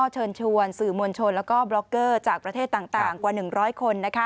เชิญชวนสื่อมวลชนแล้วก็บล็อกเกอร์จากประเทศต่างกว่า๑๐๐คน